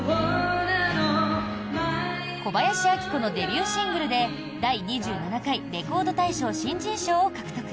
小林明子のデビューシングルで第２７回レコード大賞新人賞を獲得。